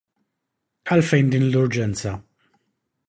Għalfejn din l-urġenza?